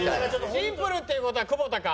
シンプルっていう事は久保田か。